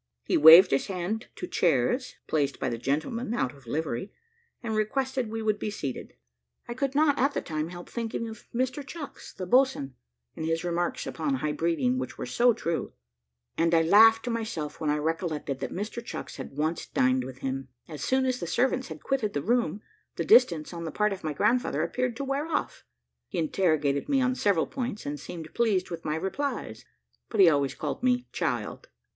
He waved his hand to chairs, placed by the gentleman out of livery, and requested we would be seated. I could not at the time help thinking of Mr Chucks, the boatswain, and his remarks upon high breeding, which were so true; and I laughed to myself when I recollected that Mr Chucks had once dined with him. As soon as the servants had quitted the room, the distance on the part of my grand father appeared to wear off. He interrogated me on several points, and seemed pleased with my replies; but he always called me "child."